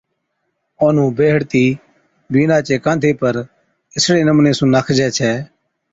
اونَھُون بيھيڙِتِي بِينڏا چي ڪانڌي پر اِسڙي نمُوني سُون ناکجي ڇَي